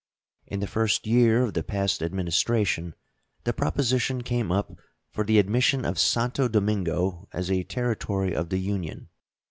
In the first year of the past Administration the proposition came up for the admission of Santo Domingo as a Territory of the Union.